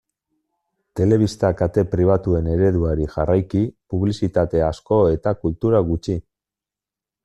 Telebista kate pribatuen ereduari jarraiki publizitate asko eta kultura gutxi.